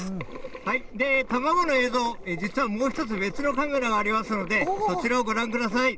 卵の映像、実はもう一つ、別のカメラがありますので、そちらをご覧ください。